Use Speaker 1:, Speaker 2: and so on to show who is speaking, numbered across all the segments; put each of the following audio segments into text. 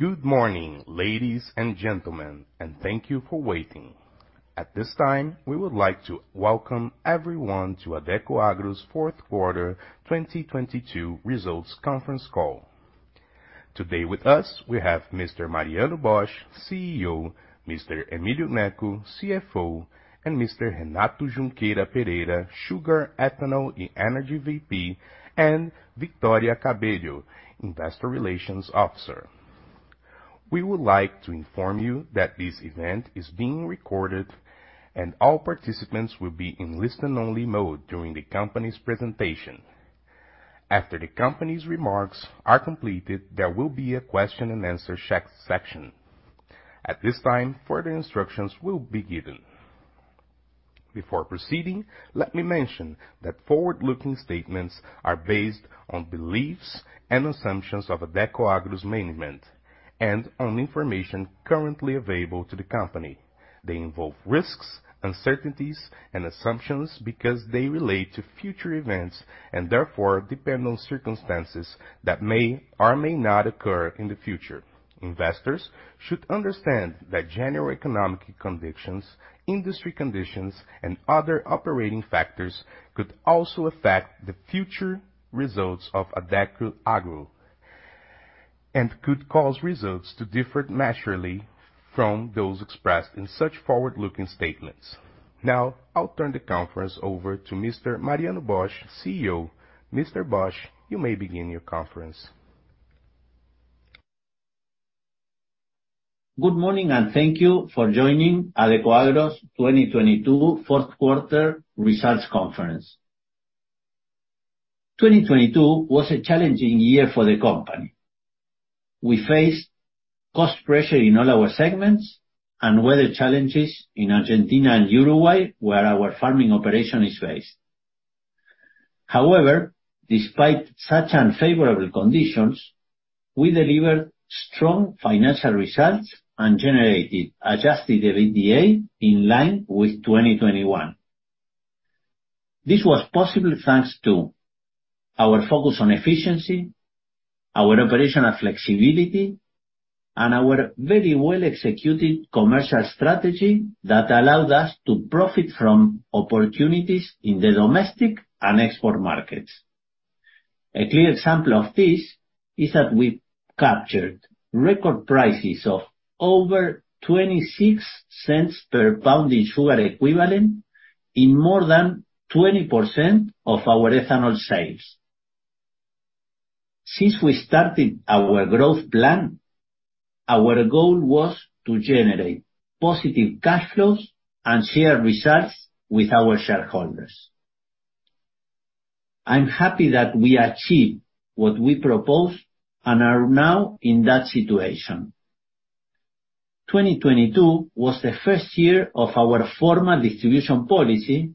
Speaker 1: Good morning, ladies and gentlemen, and thank you for waiting. At this time, we would like to welcome everyone to Adecoagro's fourth quarter 2022 results conference call. Today with us we have Mr. Mariano Bosch, CEO, Mr. Emilio Gnecco, CFO, and Mr. Renato Junqueira Pereira, Sugar, Ethanol, and Energy VP, and Victoria Cabello, Investor Relations Officer. We would like to inform you that this event is being recorded and all participants will be in listen-only mode during the company's presentation. After the company's remarks are completed, there will be a question-and-answer check section. At this time, further instructions will be given. Before proceeding, let me mention that forward-looking statements are based on beliefs and assumptions of Adecoagro's management and on information currently available to the company. They involve risks, uncertainties, and assumptions because they relate to future events and therefore depend on circumstances that may or may not occur in the future. Investors should understand that general economic conditions, industry conditions, and other operating factors could also affect the future results of Adecoagro and could cause results to differ materially from those expressed in such forward-looking statements. I'll turn the conference over to Mr. Mariano Bosch, CEO. Mr. Bosch, you may begin your conference.
Speaker 2: Good morning, thank you for joining Adecoagro's 2022 fourth quarter results conference. 2022 was a challenging year for the company. We faced cost pressure in all our segments and weather challenges in Argentina and Uruguay, where our farming operation is based. Despite such unfavorable conditions, we delivered strong financial results and generated adjusted EBITDA in line with 2021. This was possible thanks to our focus on efficiency, our operational flexibility, and our very well-executed commercial strategy that allowed us to profit from opportunities in the domestic and export markets. A clear example of this is that we captured record prices of over $0.26 per pound in sugar equivalent in more than 20% of our ethanol sales. Since we started our growth plan, our goal was to generate positive cash flows and share results with our shareholders. I'm happy that we achieved what we proposed and are now in that situation. 2022 was the first year of our formal distribution policy,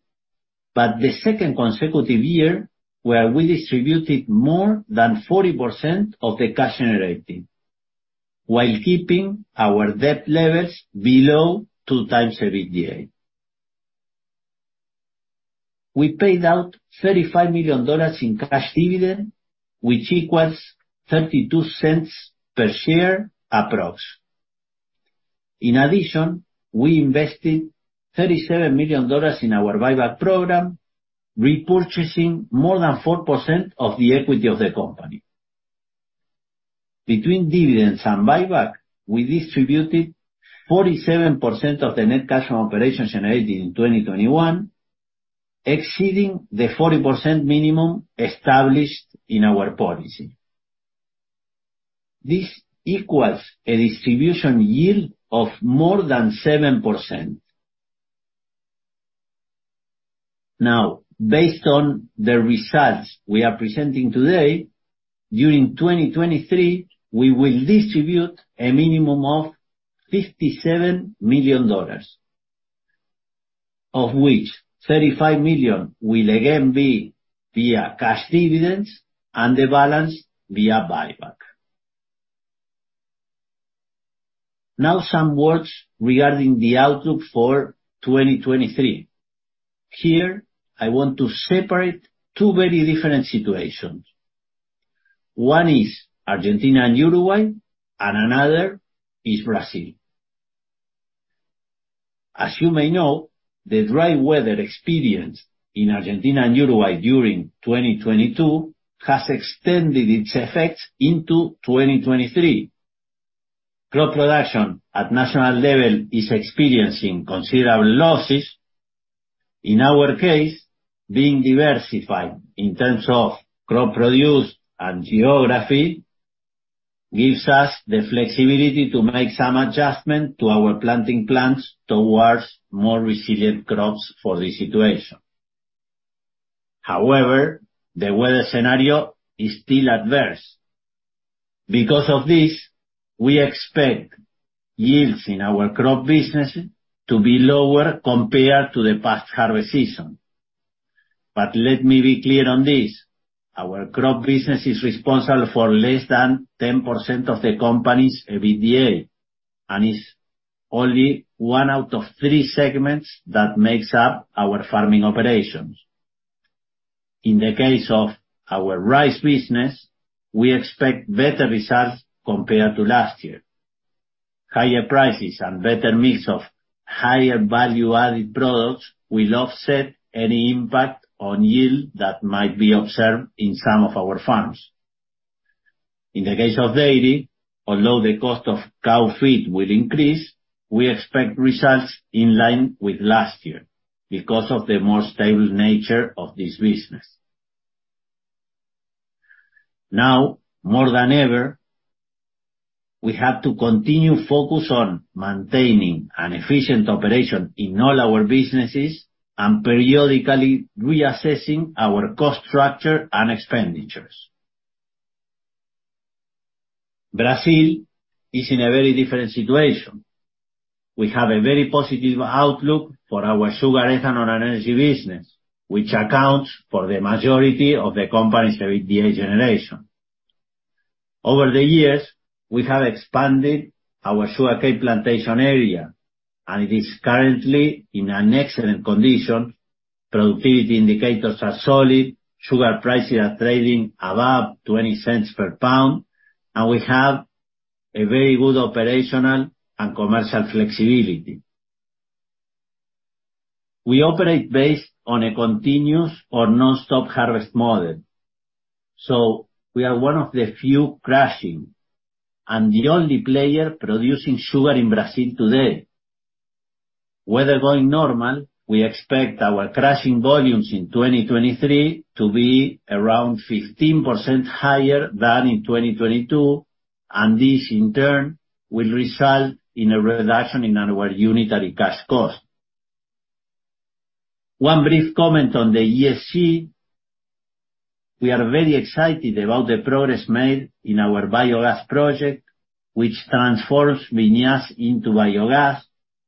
Speaker 2: but the second consecutive year where we distributed more than 40% of the cash generated while keeping our debt levels below two times EBITDA. We paid out $35 million in cash dividend, which equals $0.32 per share approx. In addition, we invested $37 million in our buyback program, repurchasing more than 4% of the equity of the company. Between dividends and buyback, we distributed 47% of the net cash from operations generated in 2021, exceeding the 40% minimum established in our policy. This equals a distribution yield of more than 7%. Now, based on the results we are presenting today, during 2023, we will distribute a minimum of $57 million, of which $35 million will again be via cash dividends and the balance via buyback. Now some words regarding the outlook for 2023. Here, I want to separate two very different situations. One is Argentina and Uruguay, and another is Brazil. As you may know, the dry weather experienced in Argentina and Uruguay during 2022 has extended its effects into 2023. Crop production at national level is experiencing considerable losses. In our case, being diversified in terms of crop produced and geography gives us the flexibility to make some adjustment to our planting plans towards more resilient crops for this situation. However, the weather scenario is still adverse. We expect yields in our crop business to be lower compared to the past harvest season. Let me be clear on this. Our crop business is responsible for less than 10% of the company's EBITDA and is only one out of three segments that makes up our farming operations. In the case of our rice business, we expect better results compared to last year. Higher prices and better mix of higher value added products will offset any impact on yield that might be observed in some of our farms. In the case of dairy, although the cost of cow feed will increase, we expect results in line with last year because of the more stable nature of this business. Now, more than ever, we have to continue focus on maintaining an efficient operation in all our businesses and periodically reassessing our cost structure and expenditures. Brazil is in a very different situation. We have a very positive outlook for our sugar ethanol and energy business, which accounts for the majority of the company's EBITDA generation. Over the years, we have expanded our sugarcane plantation area and it is currently in an excellent condition. Productivity indicators are solid. Sugar prices are trading above $0.20 per pound, and we have a very good operational and commercial flexibility. We operate based on a continuous or nonstop harvest model. We are one of the few crushing and the only player producing sugar in Brazil today. Weather going normal, we expect our crushing volumes in 2023 to be around 15% higher than in 2022, and this in turn, will result in a reduction in our unitary cash cost. One brief comment on the ESG. We are very excited about the progress made in our biogas project, which transforms vinasse into biogas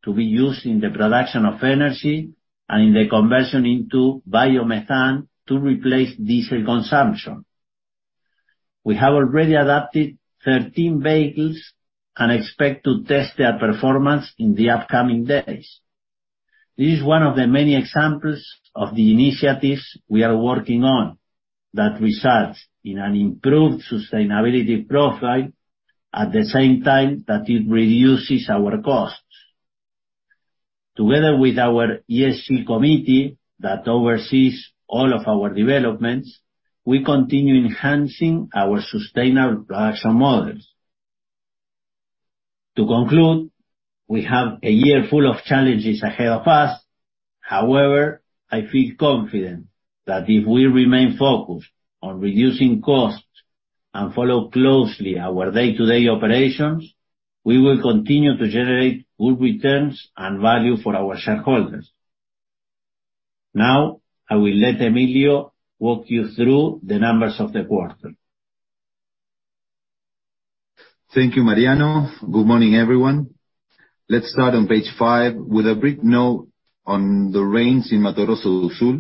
Speaker 2: to be used in the production of energy and in the conversion into biomethane to replace diesel consumption. We have already adapted 13 vehicles and expect to test their performance in the upcoming days. This is one of the many examples of the initiatives we are working on that results in an improved sustainability profile at the same time that it reduces our costs. Together with our ESG committee that oversees all of our developments, we continue enhancing our sustainable production models. To conclude, we have a year full of challenges ahead of us. I feel confident that if we remain focused on reducing costs and follow closely our day-to-day operations, we will continue to generate good returns and value for our shareholders. Now, I will let Emilio walk you through the numbers of the quarter.
Speaker 3: Thank you, Mariano. Good morning, everyone. Let's start on page five with a brief note on the rains in Mato Grosso do Sul.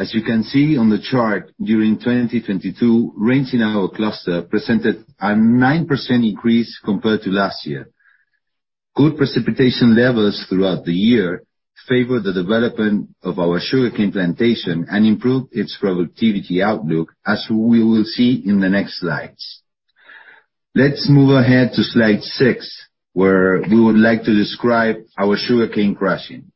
Speaker 3: As you can see on the chart, during 2022, rains in our cluster presented a 9% increase compared to last year. Good precipitation levels throughout the year favor the development of our sugarcane plantation and improved its productivity outlook, as we will see in the next slides. Let's move ahead to slide six, where we would like to describe our sugarcane crushing.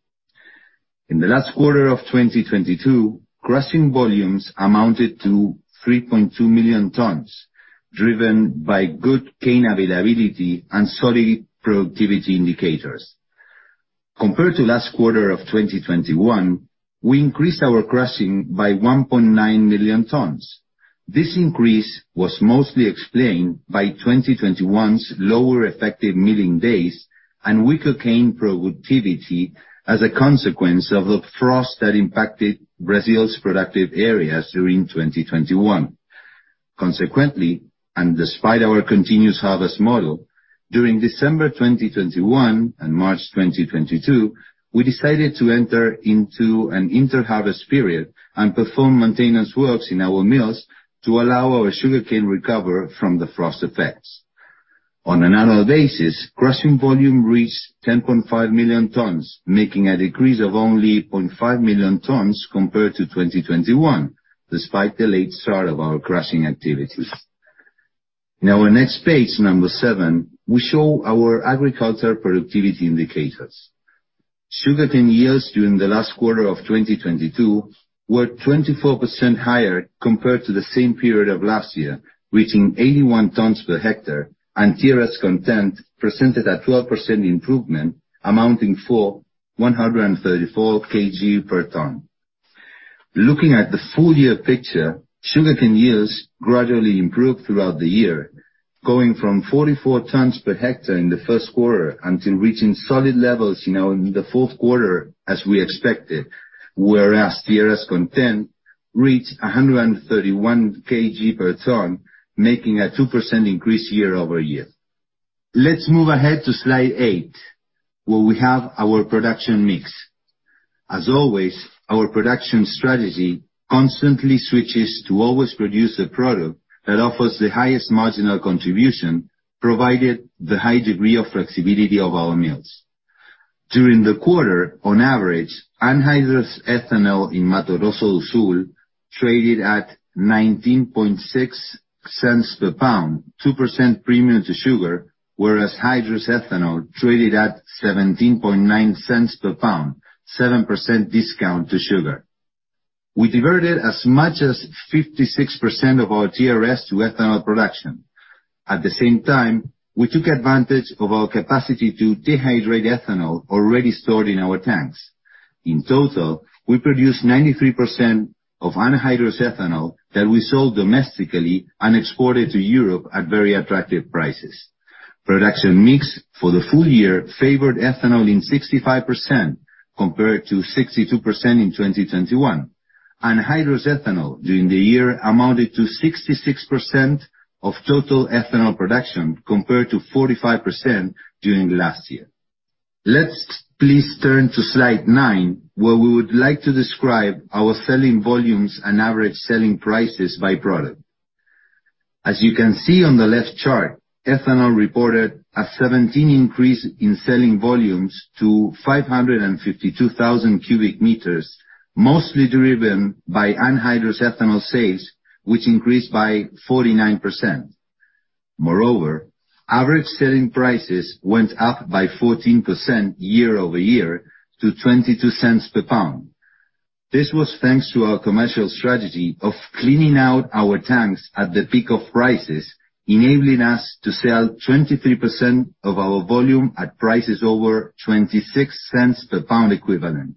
Speaker 3: In the last quarter of 2022, crushing volumes amounted to 3.2 million tons, driven by good cane availability and solid productivity indicators. Compared to last quarter of 2021, we increased our crushing by 1.9 million tons. This increase was mostly explained by 2021's lower effective milling days and weaker cane productivity as a consequence of the frost that impacted Brazil's productive areas during 2021. Consequently, despite our continuous harvest model, during December 2021 and March 2022, we decided to enter into an interharvest period and perform maintenance works in our mills to allow our sugarcane recover from the frost effects. On an annual basis, crushing volume reached 10.5 million tons, making a decrease of only 0.5 million tons compared to 2021, despite the late start of our crushing activities. Our next page, number seven, we show our agriculture productivity indicators. Sugarcane yields during the last quarter of 2022 were 24% higher compared to the same period of last year, reaching 81 tons per hectare and TRS content presented a 12% improvement, amounting for 134 kg per ton. Looking at the full year picture, sugarcane yields gradually improved throughout the year, going from 44 tons per hectare in the first quarter until reaching solid levels in the fourth quarter as we expected. TRS content reached 131 kg per ton, making a 2% increase year-over-year. Let's move ahead to slide eight, where we have our production mix. As always, our production strategy constantly switches to always produce a product that offers the highest marginal contribution. Provided the high degree of flexibility of our mills. During the quarter, on average, anhydrous ethanol in Mato Grosso do Sul traded at 19.6 cents per pound, 2% premium to sugar, whereas hydrous ethanol traded at 17.9 cents per pound, 7% discount to sugar. We diverted as much as 56% of our TRS to ethanol production. At the same time, we took advantage of our capacity to dehydrate ethanol already stored in our tanks. In total, we produced 93% of anhydrous ethanol that we sold domestically and exported to Europe at very attractive prices. Production mix for the full year favored ethanol in 65% compared to 62% in 2021. Anhydrous ethanol during the year amounted to 66% of total ethanol production compared to 45% during last year. Let's please turn to slide nine, where we would like to describe our selling volumes and average selling prices by product. As you can see on the left chart, ethanol reported a 17 increase in selling volumes to 552,000 cubic meters, mostly driven by anhydrous ethanol sales, which increased by 49%. Moreover, average selling prices went up by 14% year-over-year to $0.22 per pound. This was thanks to our commercial strategy of cleaning out our tanks at the peak of prices, enabling us to sell 23% of our volume at prices over $0.26 per pound equivalent.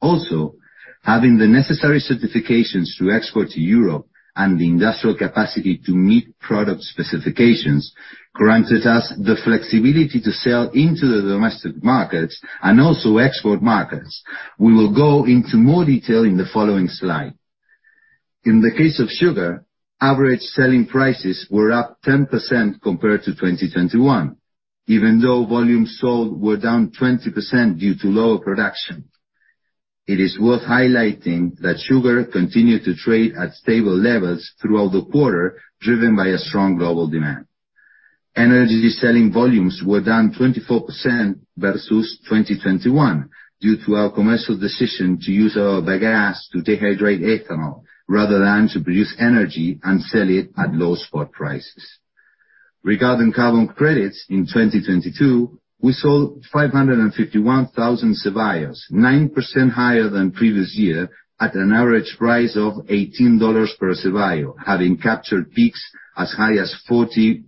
Speaker 3: Also, having the necessary certifications to export to Europe and the industrial capacity to meet product specifications granted us the flexibility to sell into the domestic markets and also export markets. We will go into more detail in the following slide. In the case of sugar, average selling prices were up 10% compared to 2021, even though volumes sold were down 20% due to lower production. It is worth highlighting that sugar continued to trade at stable levels throughout the quarter, driven by a strong global demand. Energy selling volumes were down 24% versus 2021 due to our commercial decision to use our bagasse to dehydrate ethanol rather than to produce energy and sell it at low spot prices. Regarding carbon credits in 2022, we sold 551,000 CBIOs, 9% higher than previous year, at an average price of $18 per CBio, having captured peaks as high as $40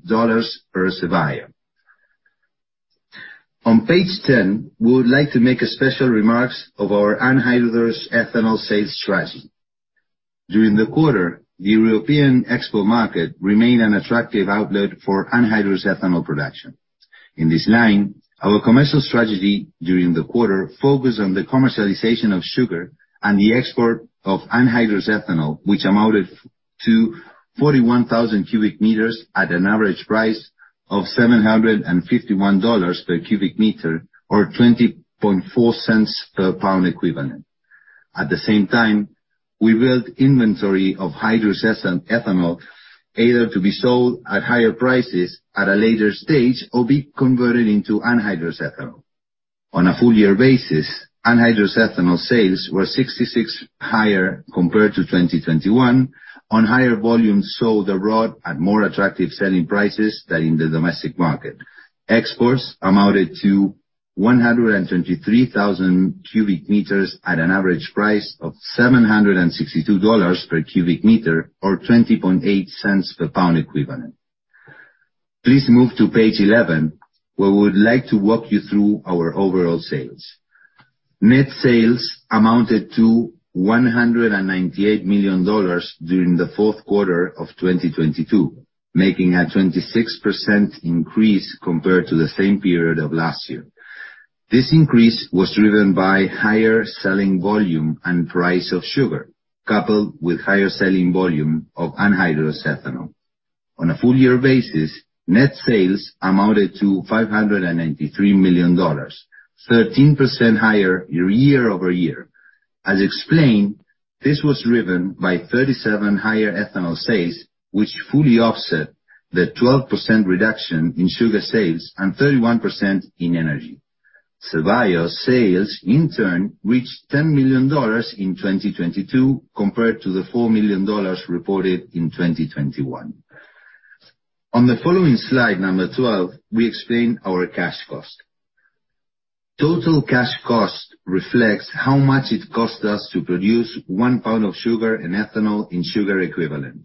Speaker 3: per CBio. On page 10, we would like to make a special remarks of our anhydrous ethanol sales strategy. During the quarter, the European export market remained an attractive outlet for anhydrous ethanol production. In this line, our commercial strategy during the quarter focused on the commercialization of sugar and the export of anhydrous ethanol, which amounted to 41,000 cubic meters at an average price of $751 per cubic meter or $0.204 per pound equivalent. At the same time, we built inventory of hydrous ethanol either to be sold at higher prices at a later stage or be converted into anhydrous ethanol. On a full year basis, anhydrous ethanol sales were 66% higher compared to 2021 on higher volumes sold abroad at more attractive selling prices than in the domestic market. Exports amounted to 123,000 cubic meters at an average price of $762 per cubic meter or $0.208 per pound equivalent. Please move to page 11, where we would like to walk you through our overall sales. Net sales amounted to $198 million during Q4 2022, making a 26% increase compared to the same period of last year. This increase was driven by higher selling volume and price of sugar, coupled with higher selling volume of anhydrous ethanol. On a full year basis, net sales amounted to $593 million, 13% higher year-over-year. As explained, this was driven by 37% higher ethanol sales, which fully offset the 12% reduction in sugar sales and 31% in energy. CBio sales in turn reached $10 million in 2022 compared to the $4 million reported in 2021. On the following slide, number 12, we explain our cash cost. Total cash cost reflects how much it costs us to produce one pound of sugar and ethanol in sugar equivalent.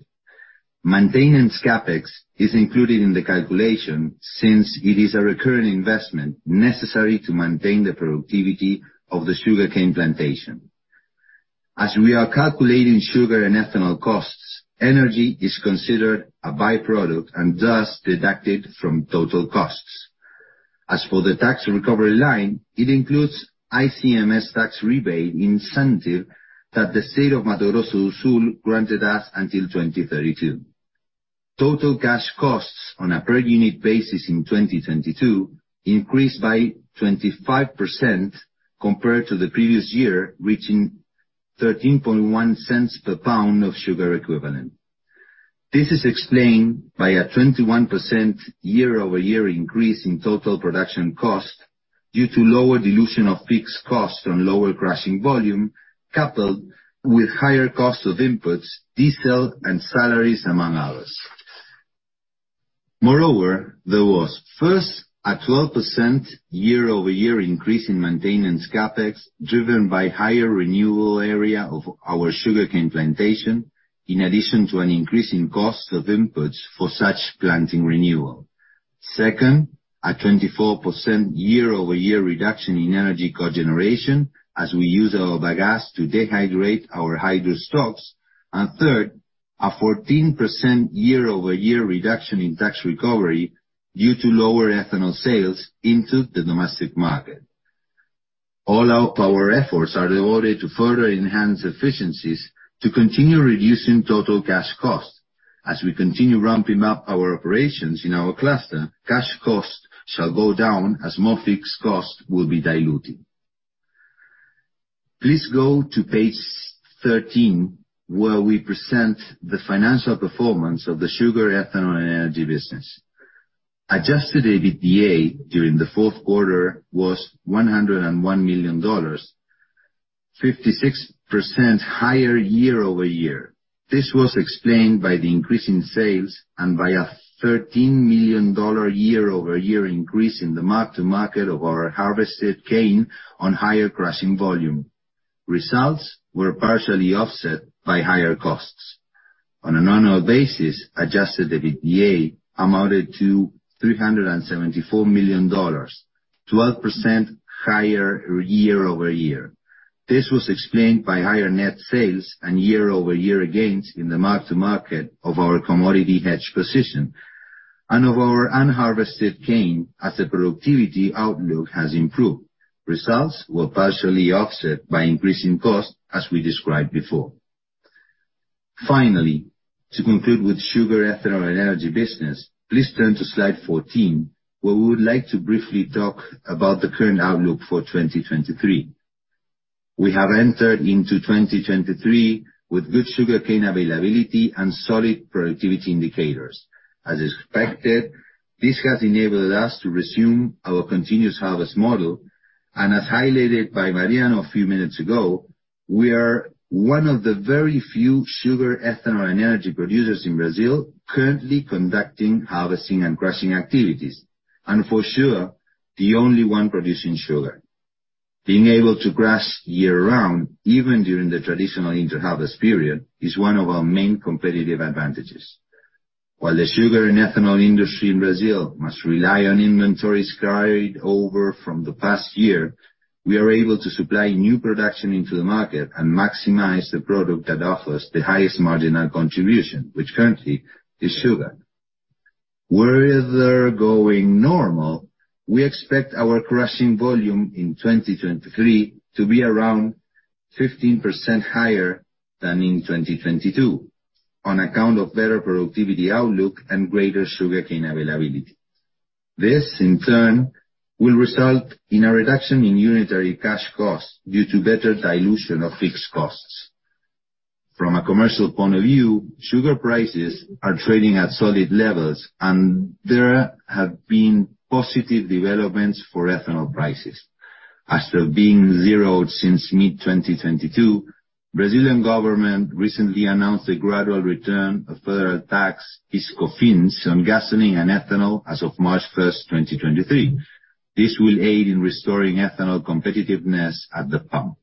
Speaker 3: Maintenance CapEx is included in the calculation since it is a recurring investment necessary to maintain the productivity of the sugarcane plantation. As we are calculating sugar and ethanol costs, energy is considered a by-product and thus deducted from total costs. As for the tax recovery line, it includes ICMS tax rebate incentive that the state of Mato Grosso do Sul granted us until 2032. Total cash costs on a per unit basis in 2022 increased by 25% compared to the previous year, reaching 13.1 cents per pound of sugar equivalent. This is explained by a 21% year-over-year increase in total production cost due to lower dilution of fixed costs from lower crushing volume, coupled with higher cost of inputs, diesel, and salaries, among others. Moreover, there was first a 12% year-over-year increase in maintenance CapEx driven by higher renewal area of our sugarcane plantation, in addition to an increase in cost of inputs for such planting renewal. Second, a 24% year-over-year reduction in energy cogeneration as we use our bagasse to dehydrate our hydro stocks. Third, a 14% year-over-year reduction in tax recovery due to lower ethanol sales into the domestic market. All our power efforts are devoted to further enhance efficiencies to continue reducing total cash costs. As we continue ramping up our operations in our cluster, cash costs shall go down as more fixed costs will be diluted. Please go to page 13, where we present the financial performance of the sugar, ethanol, and energy business. Adjusted EBITDA during the fourth quarter was $101 million, 56% higher year-over-year. This was explained by the increase in sales and by a $13 million year-over-year increase in the mark-to-market of our harvested cane on higher crushing volume. Results were partially offset by higher costs. On an annual basis, adjusted EBITDA amounted to $374 million, 12% higher year-over-year. This was explained by higher net sales and year-over-year gains in the mark-to-market of our commodity hedge position and of our unharvested cane as the productivity outlook has improved. Results were partially offset by increasing costs, as we described before. To conclude with sugar, ethanol, and energy business, please turn to slide 14, where we would like to briefly talk about the current outlook for 2023. We have entered into 2023 with good sugarcane availability and solid productivity indicators. As expected, this has enabled us to resume our continuous harvest model. As highlighted by Mariano a few minutes ago, we are one of the very few sugar, ethanol, and energy producers in Brazil currently conducting harvesting and crushing activities, and for sure, the only one producing sugar. Being able to crush year-round, even during the traditional inter-harvest period, is one of our main competitive advantages. While the sugar and ethanol industry in Brazil must rely on inventories carried over from the past year, we are able to supply new production into the market and maximize the product that offers the highest marginal contribution, which currently is sugar. Weather going normal, we expect our crushing volume in 2023 to be around 15% higher than in 2022 on account of better productivity outlook and greater sugarcane availability. This, in turn, will result in a reduction in unitary cash costs due to better dilution of fixed costs. From a commercial point of view, sugar prices are trading at solid levels, and there have been positive developments for ethanol prices. After being zeroed since mid-2022, Brazilian government recently announced a gradual return of federal tax, PIS/Cofins, on gasoline and ethanol as of March 1st, 2023. This will aid in restoring ethanol competitiveness at the pump.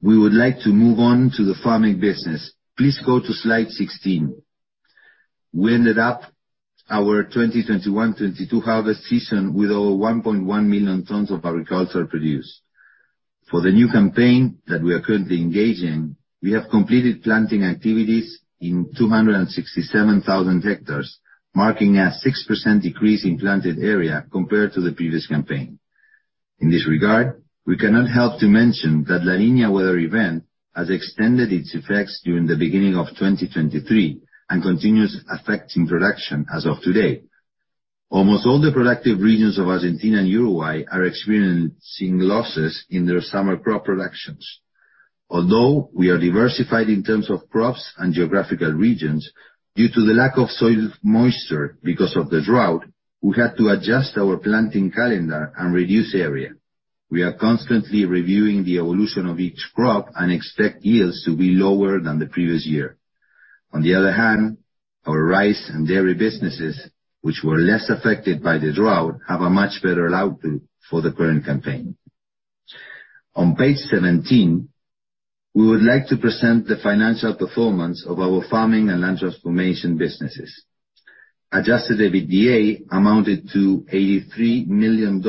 Speaker 3: We would like to move on to the farming business. Please go to slide 16. We ended up our 2021, 2022 harvest season with over 1.1 million tons of agricultural produce. For the new campaign that we are currently engaged in, we have completed planting activities in 267,000 hectares, marking a 6% decrease in planted area compared to the previous campaign. In this regard, we cannot help to mention that La Niña weather event has extended its effects during the beginning of 2023 and continues affecting production as of today. Almost all the productive regions of Argentina and Uruguay are experiencing losses in their summer crop productions. Although we are diversified in terms of crops and geographical regions, due to the lack of soil moisture because of the drought, we had to adjust our planting calendar and reduce area. We are constantly reviewing the evolution of each crop and expect yields to be lower than the previous year. On the other hand, our rice and dairy businesses, which were less affected by the drought, have a much better output for the current campaign. On page 17, we would like to present the financial performance of our farming and land transformation businesses. Adjusted EBITDA amounted to $83 million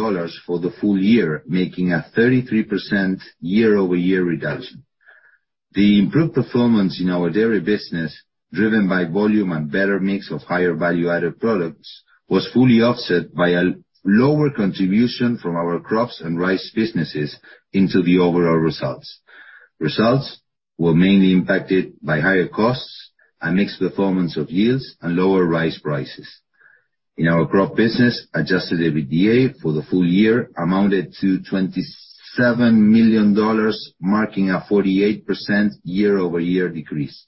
Speaker 3: for the full year, making a 33% year-over-year reduction. The improved performance in our dairy business, driven by volume and better mix of higher value-added products, was fully offset by a lower contribution from our crops and rice businesses into the overall results. Results were mainly impacted by higher costs and mixed performance of yields and lower rice prices. In our crop business, adjusted EBITDA for the full year amounted to $27 million, marking a 48% year-over-year decrease.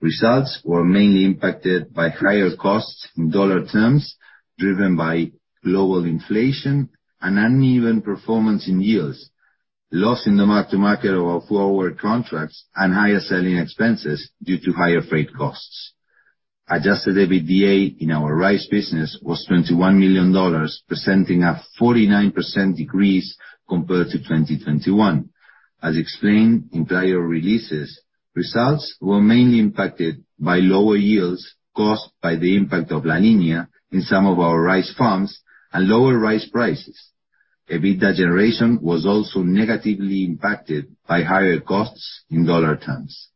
Speaker 3: Results were mainly impacted by higher costs in dollar terms, driven by global inflation and uneven performance in yields, loss in the mark-to-market of our forward contracts, and higher selling expenses due to higher freight costs. Adjusted EBITDA in our rice business was $21 million, presenting a 49% decrease compared to 2021. As explained in prior releases, results were mainly impacted by lower yields caused by the impact of La Niña in some of our rice farms and lower rice prices. EBITDA generation was also negatively impacted by higher costs in dollar terms.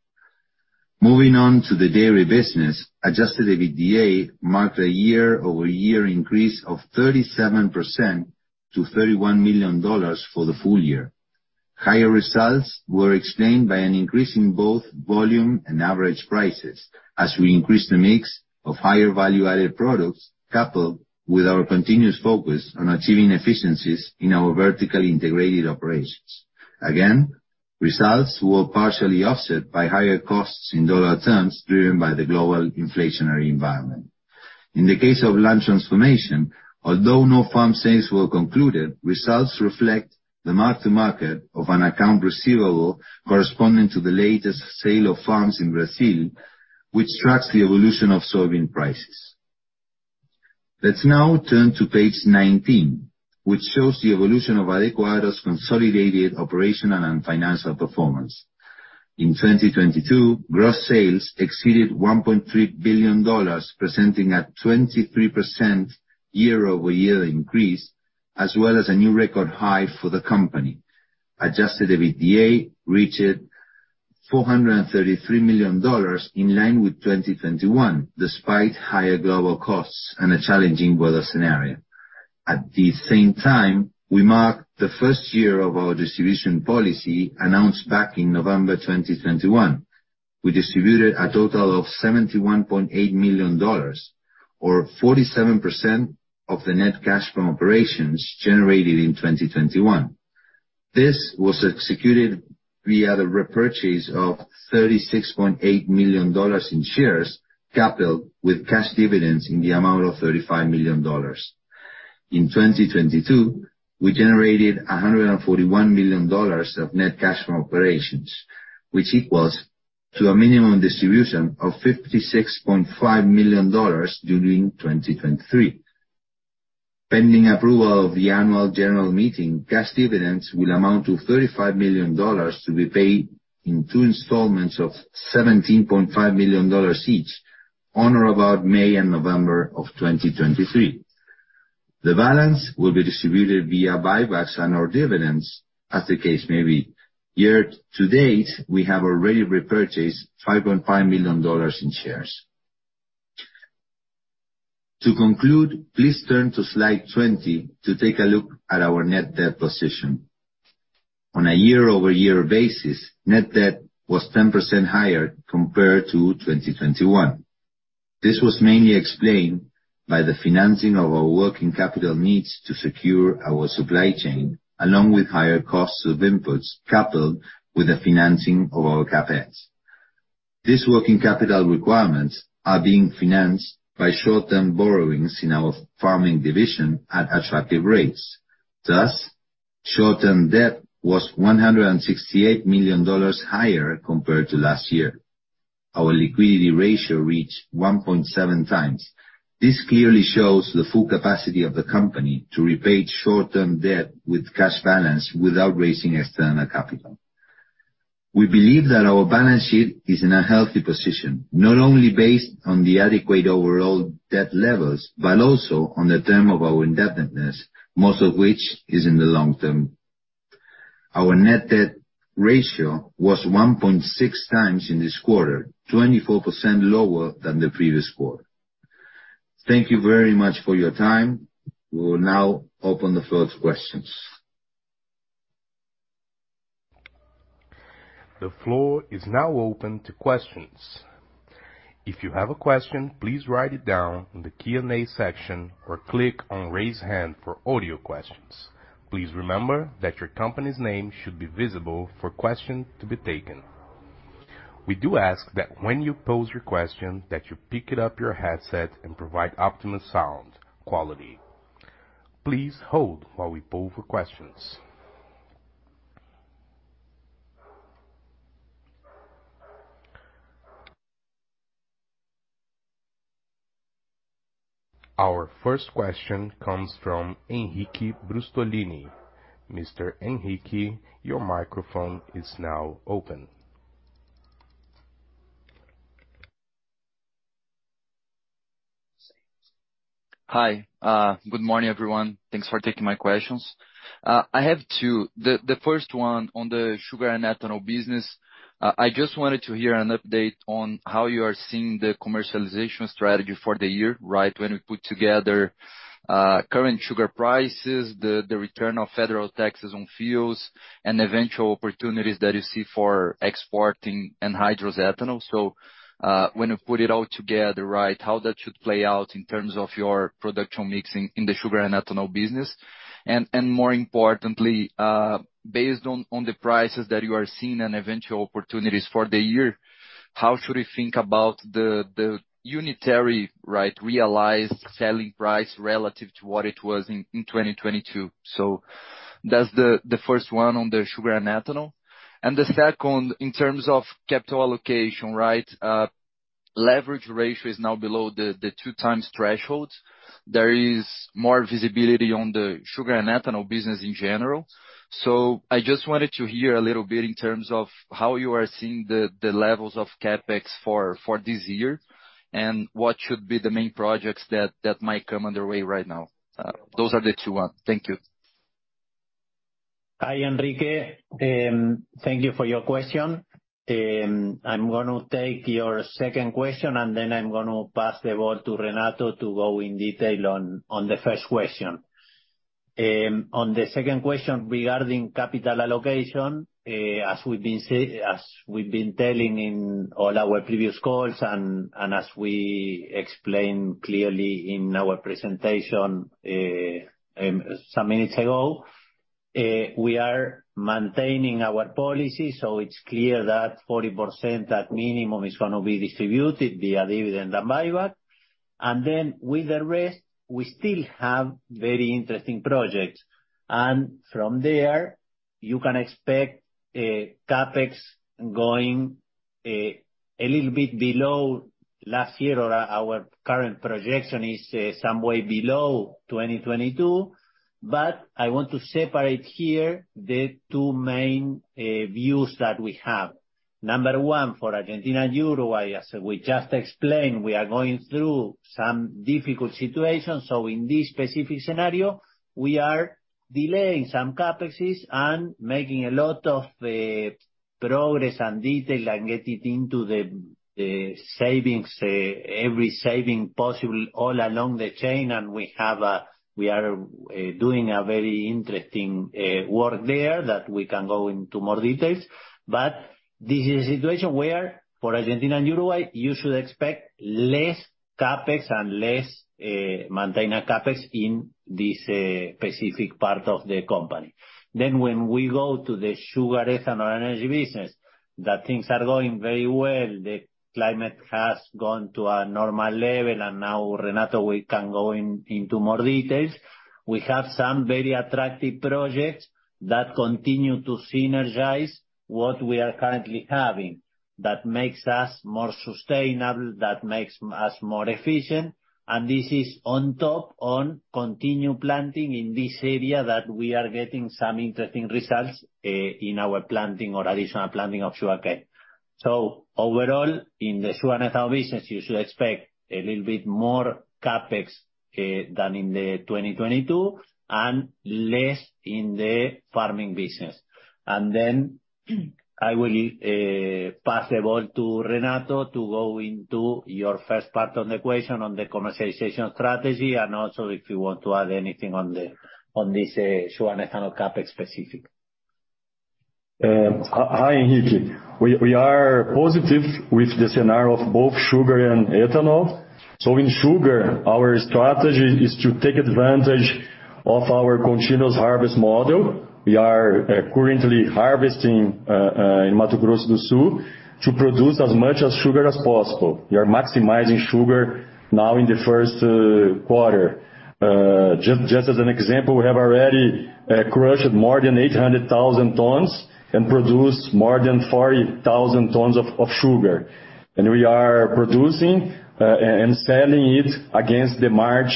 Speaker 3: Moving on to the dairy business, adjusted EBITDA marked a year-over-year increase of 37% to $31 million for the full year. Higher results were explained by an increase in both volume and average prices as we increased the mix of higher value-added products, coupled with our continuous focus on achieving efficiencies in our vertically integrated operations. Results were partially offset by higher costs in dollar terms driven by the global inflationary environment. In the case of land transformation, although no farm sales were concluded, results reflect the mark-to-market of an account receivable corresponding to the latest sale of farms in Brazil, which tracks the evolution of soybean prices. Let's now turn to page 19, which shows the evolution of Adecoagro's consolidated operational and financial performance. In 2022, gross sales exceeded $1.3 billion, presenting a 23% year-over-year increase, as well as a new record high for the company. Adjusted EBITDA reached $433 million, in line with 2021, despite higher global costs and a challenging weather scenario. At the same time, we marked the first year of our distribution policy announced back in November 2021. We distributed a total of $71.8 million or 47% of the net cash from operations generated in 2021. This was executed via the repurchase of $36.8 million in shares, coupled with cash dividends in the amount of $35 million. In 2022, we generated $141 million of net cash from operations, which equals to a minimum distribution of $56.5 million during 2023. Pending approval of the annual general meeting, cash dividends will amount to $35 million to be paid in two installments of $17.5 million each on or about May and November of 2023. The balance will be distributed via buybacks and our dividends as the case may be. Year to date, we have already repurchased $5.5 million in shares. To conclude, please turn to slide 20 to take a look at our net debt position. On a year-over-year basis, net debt was 10% higher compared to 2021. This was mainly explained by the financing of our working capital needs to secure our supply chain, along with higher costs of inputs, coupled with the financing of our CapEx. These working capital requirements are being financed by short-term borrowings in our farming division at attractive rates. Thus, short-term debt was $168 million higher compared to last year. Our liquidity ratio reached 1.7 times. This clearly shows the full capacity of the company to repay short-term debt with cash balance without raising external capital. We believe that our balance sheet is in a healthy position, not only based on the adequate overall debt levels, but also on the term of our indebtedness, most of which is in the long term. Our net debt ratio was 1.6 times in this quarter, 24% lower than the previous quarter. Thank you very much for your time. We will now open the floor to questions.
Speaker 1: The floor is now open to questions. If you have a question, please write it down in the Q&A section or click on raise hand for audio questions. Please remember that your company's name should be visible for question to be taken. We do ask that when you pose your question, that you pick it up your headset and provide optimal sound quality. Please hold while we poll for questions. Our first question comes from Henrique Brustolin. Mr. Henrique, your microphone is now open.
Speaker 4: Hi, good morning, everyone. Thanks for taking my questions. I have two. The first one on the sugar and ethanol business. I just wanted to hear an update on how you are seeing the commercialization strategy for the year, right, when we put together current sugar prices, the return of federal taxes on fuels, and eventual opportunities that you see for exporting anhydrous ethanol. When you put it all together, right, how that should play out in terms of your production mixing in the sugar and ethanol business. More importantly, based on the prices that you are seeing and eventual opportunities for the year, how should we think about the unitary, right, realized selling price relative to what it was in 2022? That's the first one on the sugar and ethanol. The second, in terms of capital allocation, right, leverage ratio is now below the two times threshold. There is more visibility on the sugar and ethanol business in general. I just wanted to hear a little bit in terms of how you are seeing the levels of CapEx for this year, and what should be the main projects that might come underway right now. Those are the two one. Thank you.
Speaker 2: Hi, Enrique. Thank you for your question. I'm gonna take your second question, and then I'm gonna pass the ball to Renato to go in detail on the first question. On the second question regarding capital allocation, as we've been telling in all our previous calls and as we explained clearly in our presentation, some minutes ago, we are maintaining our policy, so it's clear that 40% at minimum is gonna be distributed via dividend and buyback. With the rest, we still have very interesting projects. From there, you can expect CapEx going a little bit below last year or our current projection is some way below 2022. I want to separate here the two main views that we have. Number one, for Argentina and Uruguay, as we just explained, we are going through some difficult situations. In this specific scenario, we are delaying some CapExes and making a lot of progress and detail and get it into the savings, every saving possible all along the chain, and we are doing a very interesting work there that we can go into more details. This is a situation where, for Argentina and Uruguay, you should expect less CapEx and less maintain a CapEx in this specific part of the company. When we go to the sugar, ethanol, and energy business, that things are going very well. The climate has gone to a normal level. Now, Renato, we can go into more details. We have some very attractive projects that continue to synergize what we are currently having that makes us more sustainable, that makes us more efficient. This is on top on continued planting in this area that we are getting some interesting results in our planting or additional planting of sugarcane. Overall, in the sugar and ethanol business, you should expect a little bit more CapEx than in 2022, and less in the farming business. I will pass the ball to Renato to go into your first part on the question on the commercialization strategy, and also if you want to add anything on this sugar and ethanol CapEx specific.
Speaker 5: Hi, Henrique. We are positive with the scenario of both sugar and ethanol. In sugar, our strategy is to take advantage of our continuous harvest model. We are currently harvesting in Mato Grosso do Sul to produce as much as sugar as possible. We are maximizing sugar now in the first quarter. Just as an example, we have already crushed more than 800,000 tons and produced more than 40,000 tons of sugar. We are producing and selling it against the March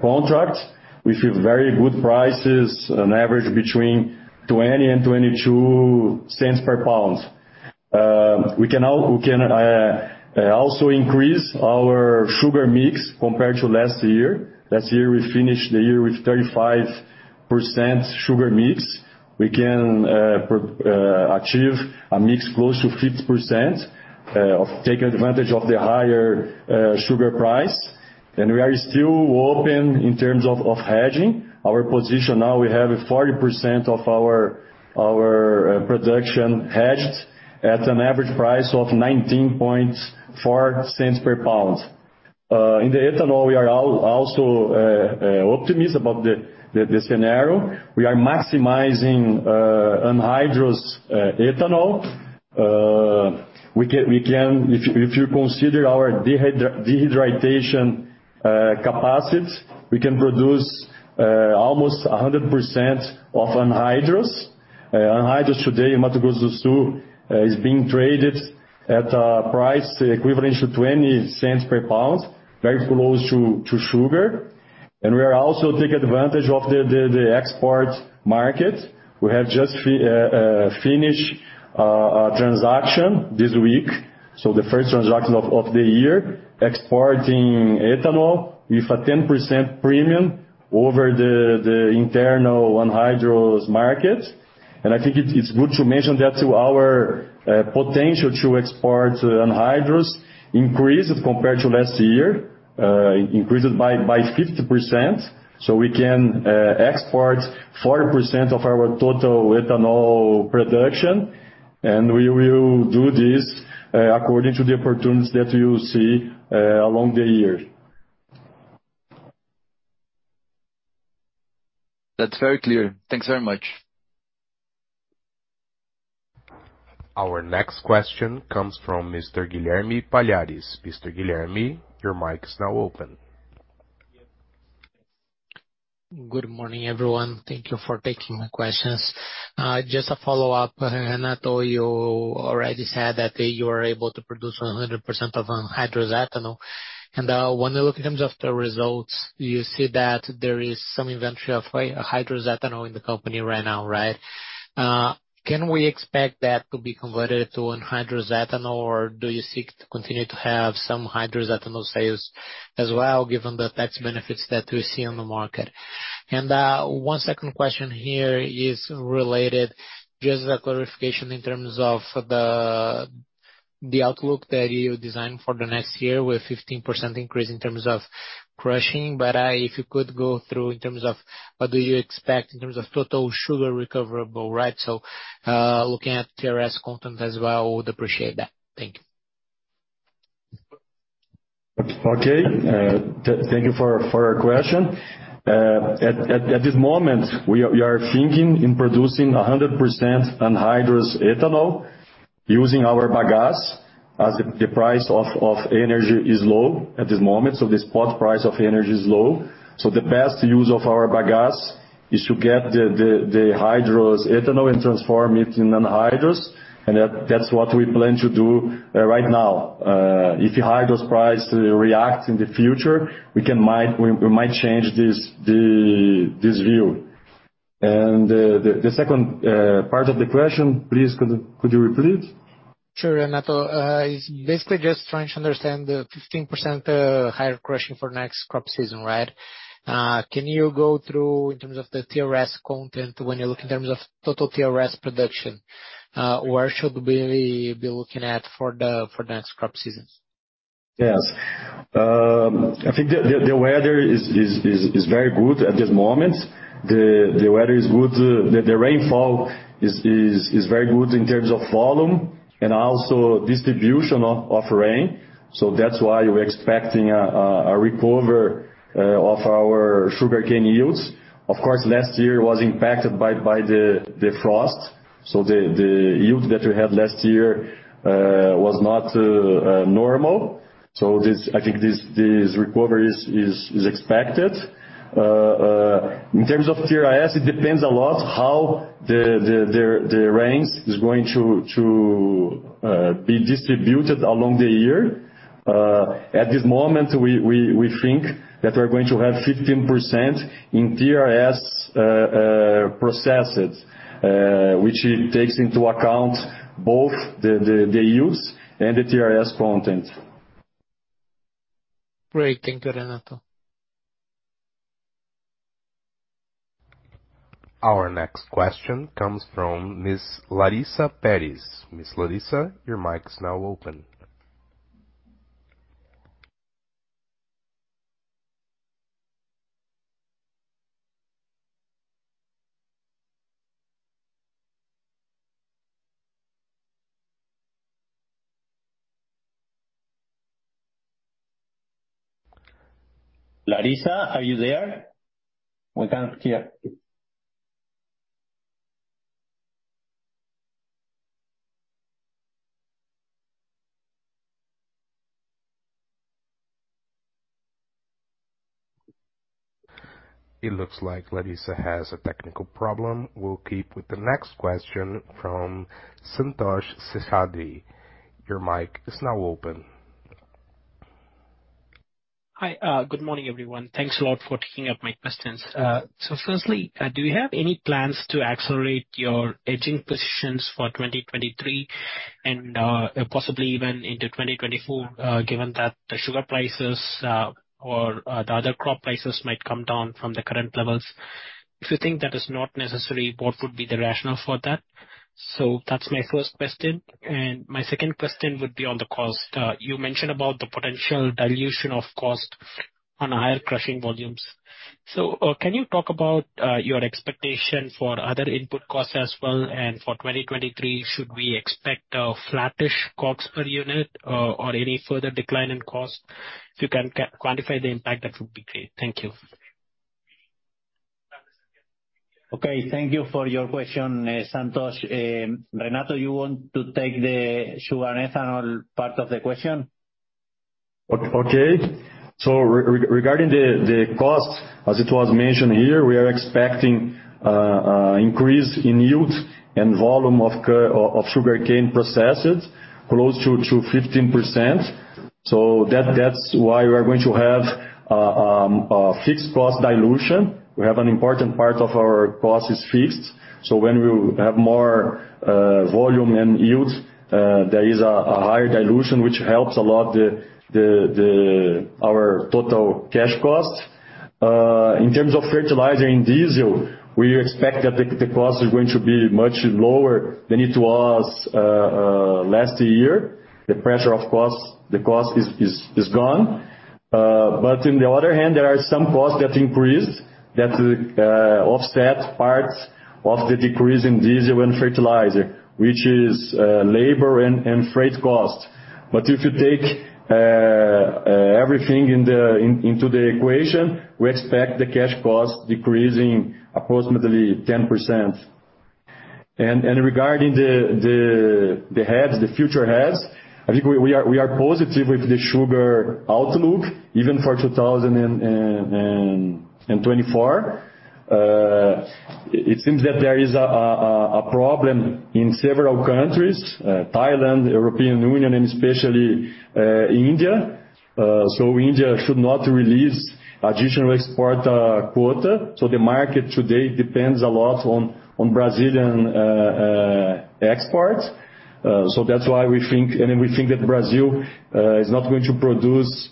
Speaker 5: contract with very good prices on average between $0.20 and $0.22 per pound. We can now, we can also increase our sugar mix compared to last year. Last year, we finished the year with 35% sugar mix. We can achieve a mix close to 50% of taking advantage of the higher sugar price. We are still open in terms of hedging. Our position now, we have 40% of our production hedged at an average price of 19.4 cents per pound. In the ethanol, we are also optimist about the scenario. We are maximizing anhydrous ethanol. We can, if you consider our dehydration capacity, we can produce almost 100% of anhydrous. Anhydrous today in Mato Grosso do Sul is being traded at a price equivalent to 20 cents per pound, very close to sugar. We are also taking advantage of the export market. We have just finished a transaction this week. The first transaction of the year exporting ethanol with a 10% premium over the internal anhydrous market. I think it's good to mention that to our potential to export anhydrous increased compared to last year, increased by 50%, so we can export 40% of our total ethanol production. We will do this according to the opportunities that we will see along the year.
Speaker 4: That's very clear. Thanks very much.
Speaker 1: Our next question comes from Mr. Guilherme Palhares. Mr. Guilherme, your mic is now open.
Speaker 6: Good morning, everyone. Thank you for taking my questions. Just a follow-up. Renato, you already said that you are able to produce 100% of anhydrous ethanol. When you look in terms of the results, you see that there is some inventory of hydrous ethanol in the company right now, right? Can we expect that to be converted to anhydrous ethanol, or do you seek to continue to have some hydrous ethanol sales as well, given the tax benefits that we see on the market? One second question here is related just a clarification in terms of the outlook that you designed for the next year with 15% increase in terms of crushing. If you could go through in terms of what do you expect in terms of total sugar recoverable, right? Looking at TRS content as well, would appreciate that. Thank you.
Speaker 5: Okay. Thank you for your question. At this moment, we are thinking in producing 100% anhydrous ethanol using our bagasse as the price of energy is low at this moment. The spot price of energy is low. The best use of our bagasse is to get the hydrous ethanol and transform it in anhydrous. That's what we plan to do right now. If the hydrous price reacts in the future, we might change this view. The second part of the question, please, could you repeat?
Speaker 6: Sure, Renato. It's basically just trying to understand the 15% higher crushing for next crop season, right? Can you go through in terms of the TRS content when you look in terms of total TRS production, where should we be looking at for the for the next crop seasons?
Speaker 5: Yes. I think the weather is very good at this moment. The weather is good. The rainfall is very good in terms of volume and also distribution of rain. That's why we're expecting a recover of our sugarcane yields. Of course, last year was impacted by the frost. The yield that we had last year, was not normal. I think this recovery is expected. In terms of TRS, it depends a lot how the rains is going to be distributed along the year. At this moment, we think that we're going to have 15% in TRS processes, which it takes into account both the use and the TRS content.
Speaker 6: Great. Thank you, Renato.
Speaker 1: Our next question comes from Ms. Larissa Pérez. Ms. Larissa, your mic is now open.
Speaker 7: Larissa, are you there? We can't hear.
Speaker 1: It looks like Larissa has a technical problem. We'll keep with the next question from Santosh Seshadri. Your mic is now open.
Speaker 8: Hi. Good morning, everyone. Thanks a lot for taking up my questions. Firstly, do you have any plans to accelerate your hedging positions for 2023 and possibly even into 2024, given that the sugar prices or the other crop prices might come down from the current levels? If you think that is not necessary, what would be the rationale for that? That's my first question. My second question would be on the cost. You mentioned about the potential dilution of cost on higher crushing volumes. Can you talk about your expectation for other input costs as well? For 2023, should we expect a flattish costs per unit or any further decline in cost? If you can quantify the impact, that would be great. Thank you.
Speaker 2: Okay, thank you for your question, Santosh. Renato, you want to take the sugar ethanol part of the question?
Speaker 5: Regarding the cost, as it was mentioned here, we are expecting an increase in yield and volume of sugarcane processes close to 15%. That's why we are going to have fixed cost dilution. We have an important part of our cost is fixed, so when we have more volume and yield, there is a higher dilution which helps a lot the our total cash cost. In terms of fertilizer and diesel, we expect that the cost is going to be much lower than it was last year. The pressure of cost, the cost is gone. In the other hand, there are some costs that increased that offset parts of the decrease in diesel and fertilizer, which is labor and freight costs. If you take everything into the equation, we expect the cash costs decreasing approximately 10%. Regarding the hedge, the future hedge, I think we are positive with the sugar outlook, even for 2024. It seems that there is a problem in several countries, Thailand, European Union, and especially India. India should not release additional export quota, the market today depends a lot on Brazilian exports. That's why we think... we think that Brazil is not going to produce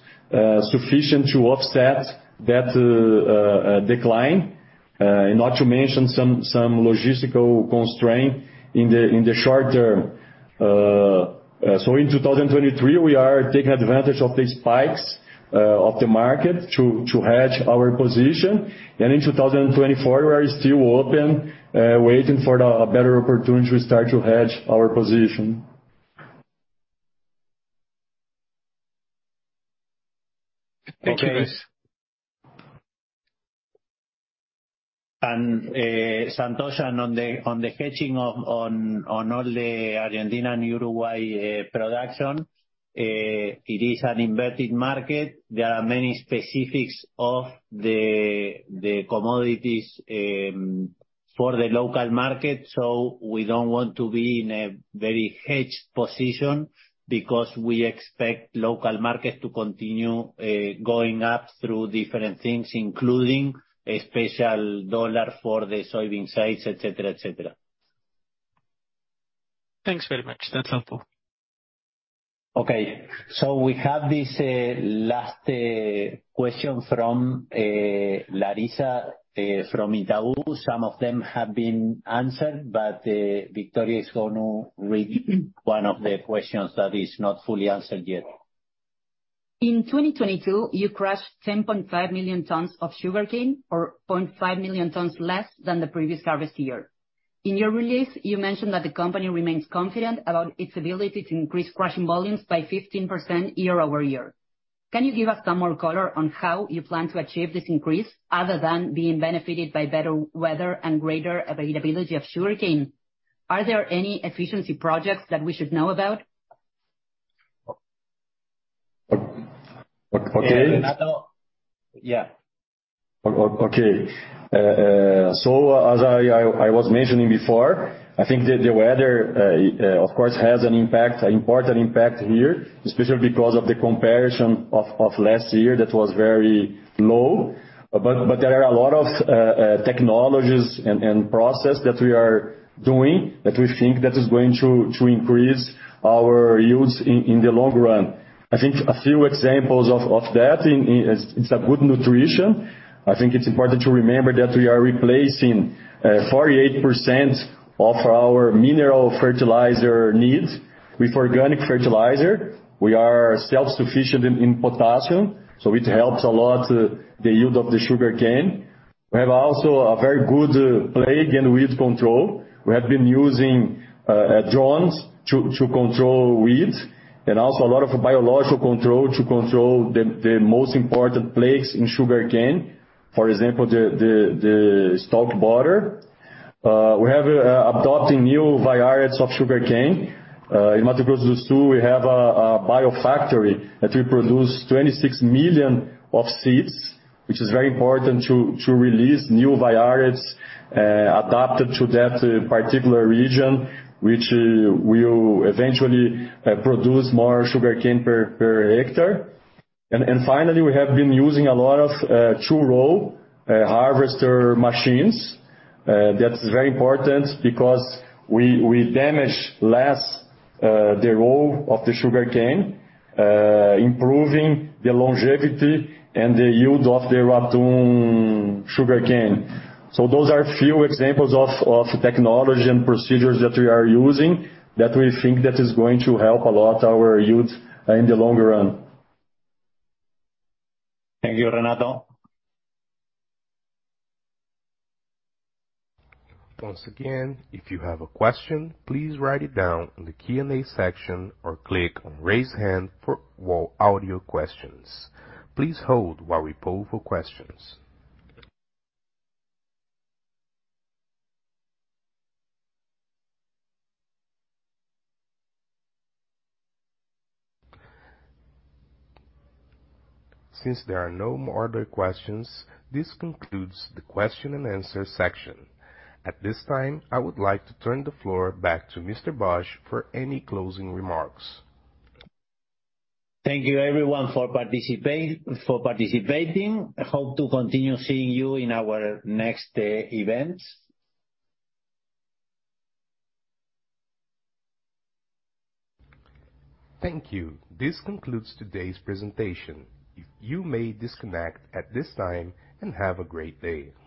Speaker 5: sufficient to offset that decline, and not to mention some logistical constraint in the short term. In 2023, we are taking advantage of the spikes of the market to hedge our position. In 2024, we are still open, waiting for the better opportunity to start to hedge our position.
Speaker 8: Thank you.
Speaker 5: Okay.
Speaker 2: Santosh, on the hedging of on all the Argentinian Uruguay production, it is an embedded market. There are many specifics of the commodities for the local market. We don't want to be in a very hedged position because we expect local market to continue going up through different things, including a special dollar for the soybean sales, et cetera, et cetera.
Speaker 1: Thanks very much. That's helpful.
Speaker 2: Okay. We have this last question from Larissa from Itaú. Some of them have been answered, Victoria is gonna read one of the questions that is not fully answered yet.
Speaker 9: In 2022, you crushed 10.5 million tons of sugarcane or 0.5 million tons less than the previous harvest year. In your release, you mentioned that the company remains confident about its ability to increase crushing volumes by 15% year-over-year. Can you give us some more color on how you plan to achieve this increase other than being benefited by better weather and greater availability of sugarcane? Are there any efficiency projects that we should know about?
Speaker 5: Okay.
Speaker 2: Renato. Yeah.
Speaker 5: Okay. As I was mentioning before, I think the weather, of course, has an impact, an important impact here, especially because of the comparison of last year that was very low. There are a lot of technologies and process that we are doing that we think that is going to increase our yields in the long run. I think a few examples of that is a good nutrition. I think it's important to remember that we are replacing 48% of our mineral fertilizer needs with organic fertilizer. We are self-sufficient in potassium, it helps a lot the yield of the sugarcane. We have also a very good plague and weed control. We have been using drones to control weeds, and also a lot of biological control to control the most important plagues in sugarcane. For example, the stalk borer. We have adopted new varieties of sugarcane. In Mato Grosso do Sul, we have a biofactory that we produce 26 million of seeds, which is very important to release new varieties adapted to that particular region, which will eventually produce more sugarcane per hectare. Finally, we have been using a lot of two-row harvester machines. That's very important because we damage less the row of the sugarcane, improving the longevity and the yield of the ratoon sugarcane. Those are few examples of technology and procedures that we are using that we think that is going to help a lot our yields in the longer run.
Speaker 2: Thank you, Renato.
Speaker 1: Once again, if you have a question, please write it down in the Q&A section or click on raise hand for audio questions. Please hold while we poll for questions. Since there are no more other questions, this concludes the question and answer section. At this time, I would like to turn the floor back to Mr. Bosch for any closing remarks.
Speaker 2: Thank you everyone for participating. I hope to continue seeing you in our next events.
Speaker 1: Thank you. This concludes today's presentation. You may disconnect at this time. Have a great day.